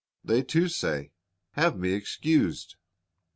They too say, "Have me excused."